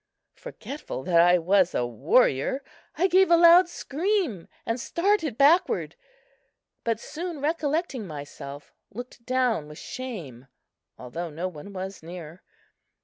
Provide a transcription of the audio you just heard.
Forgetful that I was a warrior, I gave a loud scream and started backward; but soon recollecting myself, looked down with shame, although no one was near.